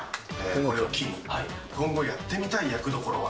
これを機に、今後やってみたい役どころは？